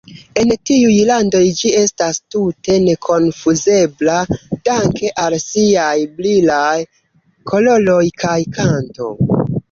En tiuj landoj ĝi estas tute nekonfuzebla danke al siaj brilaj koloroj kaj kanto.